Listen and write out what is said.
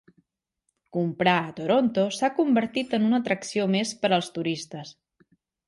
Comprar a Toronto s'ha convertit en una atracció més per als turistes.